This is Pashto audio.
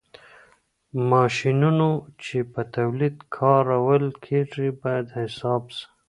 ماشينونه چي په توليد کي کارول کېږي، بايد حساب سي.